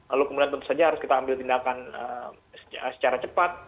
lalu kemudian tentu saja harus kita ambil tindakan secara cepat